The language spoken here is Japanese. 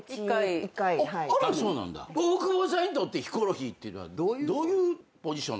大久保さんにとってヒコロヒーっていうのはどういうポジション？